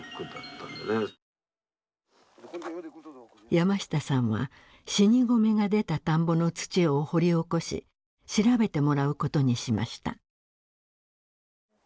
山下さんは死に米が出た田んぼの土を掘り起こし調べてもらうことにしました。